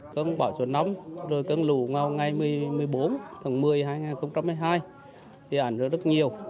cơn bão xuân nóng rồi cơn lù ngau ngày một mươi bốn tháng một mươi hai nghìn một mươi hai thì ảnh rất nhiều